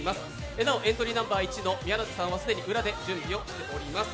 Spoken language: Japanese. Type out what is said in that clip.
なお、エントリーナンバー１の宮舘さんは既に準備をしております。